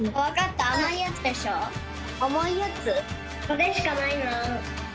これしかないな。